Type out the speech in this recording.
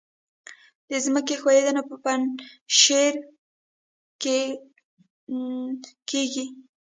د ځمکې ښویدنه په پنجشیر کې کیږي